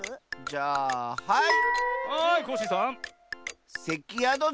じゃあはい！